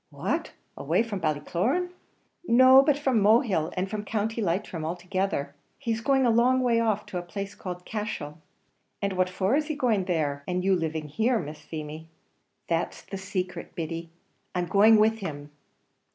"What! away from Ballycloran?" "No, but from Mohill, and from County Leitrim altogether. He's going a long way off, to a place called Cashel." "And what for is he going there, and you living here, Miss Feemy?" "That's the secret, Biddy; I'm going with him."